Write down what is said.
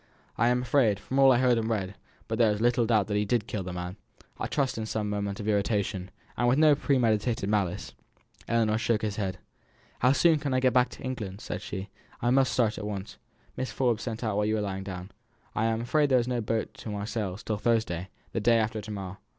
"I am afraid, from all I heard and read, there is but little doubt that he did kill the man; I trust in some moment of irritation, with no premeditated malice." Ellinor shook her head. "How soon can I get to England?" asked she. "I must start at once." "Mrs. Forbes sent out while you were lying down. I am afraid there is no boat to Marseilles till Thursday, the day after to morrow."